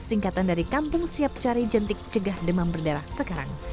singkatan dari kampung siap cari jentik cegah demam berdarah sekarang